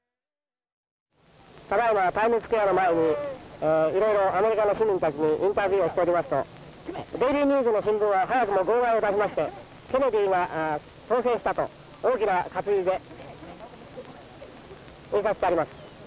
ただいまタイムズスクエアの前にいろいろアメリカの市民たちにインタビューをしておりますとデイリーニュースの新聞は早くも号外を出しましてケネディが当選したと大きな活字で印刷してあります。